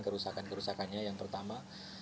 kerusakan kerusakannya yang pertama